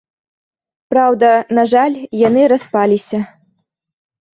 Праўда, на жаль, яны распаліся.